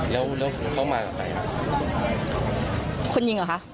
แล้วเขามากับใครนะค่ะ